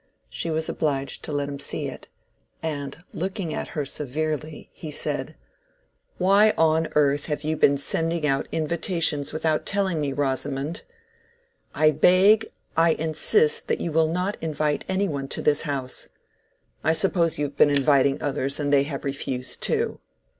She was obliged to let him see it, and, looking at her severely, he said— "Why on earth have you been sending out invitations without telling me, Rosamond? I beg, I insist that you will not invite any one to this house. I suppose you have been inviting others, and they have refused too."